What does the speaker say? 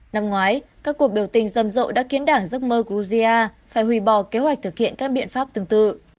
năm ngoái các cuộc biểu tình rầm rộ đã khiến đảng giấc mơ georgia phải hủy bỏ kế hoạch thực hiện các biện pháp tương tự